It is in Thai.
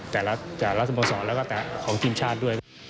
แต่ละสโมสรแล้วก็แต่ของทีมชาติด้วย